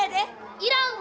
いらんわ！